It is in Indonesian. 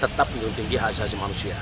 tetap menunggu tinggi asas manusia